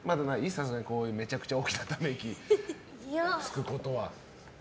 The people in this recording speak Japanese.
さすがに、めちゃくちゃ大きなため息つくことは。